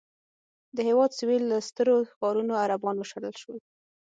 د هېواد سوېل له سترو ښارونو عربان وشړل شول.